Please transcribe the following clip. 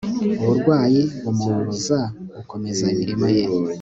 uburwayi bumubuza gukomeza imirimo ye